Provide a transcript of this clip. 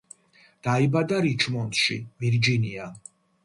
დაიბადა რიჩმონდში, ვირჯინია.